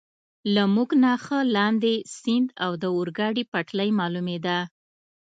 له موږ نه ښه لاندې، سیند او د اورګاډي پټلۍ معلومېده.